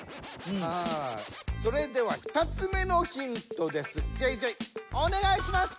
それでは２つ目のヒントです。